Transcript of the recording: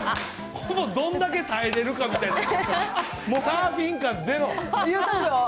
ほぼどんだけ耐えれるかっていう、もうサーフィン感ゼロ。